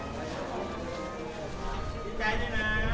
สวัสดีครับ